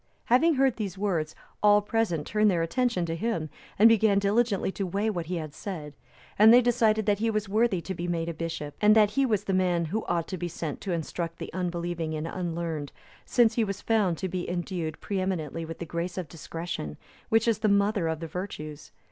Having heard these words, all present turned their attention to him and began diligently to weigh what he had said, and they decided that he was worthy to be made a bishop, and that he was the man who ought to be sent to instruct the unbelieving and unlearned; since he was found to be endued preeminently with the grace of discretion, which is the mother of the virtues.